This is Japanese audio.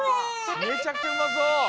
めちゃくちゃうまそう！